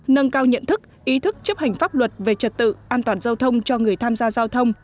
nâng cao nhận thức ý thức chấp hành pháp luật về trật tự an toàn giao thông cho người tham gia giao thông